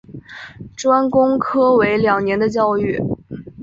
专攻科为两年的教育。